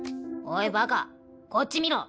おいバカこっち見ろ。